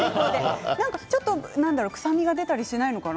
ちょっと臭みが出たりしないのかな。